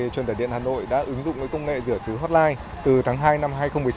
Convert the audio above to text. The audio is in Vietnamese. chúng tôi đã ứng dụng công nghệ rửa sứ hotline từ tháng hai năm hai nghìn một mươi sáu